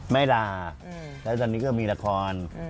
ไม่ลาแล้วตอนนี้ก็มีละคร